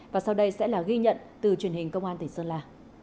và sau đây sẽ là ghi nhận từ truyền hình công an tỉnh sơn la